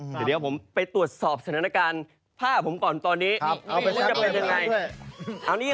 เดี๋ยวเดียวผมไปตรวจสอบแสนนการณ์ผ้าผมตอนนี้